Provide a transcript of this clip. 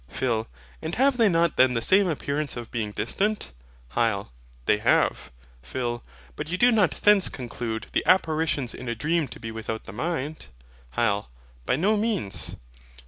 PHIL. And have they not then the same appearance of being distant? HYL. They have. PHIL. But you do not thence conclude the apparitions in a dream to be without the mind? HYL. By no means.